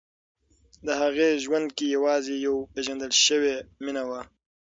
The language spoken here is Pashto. د هغې ژوند کې یوازې یوه پېژندل شوې مینه وه.